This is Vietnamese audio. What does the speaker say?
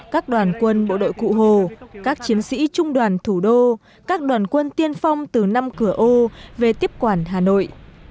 các đoàn quân bộ đội cụ hồ các chiến sĩ trung đoàn thủ đô các đoàn quân tiên phong từ năm cửa ô về tiếp quản hà nội